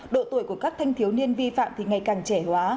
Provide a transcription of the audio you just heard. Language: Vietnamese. độ tuổi của các thanh thiếu niên vi phạm thì ngày càng trẻ hóa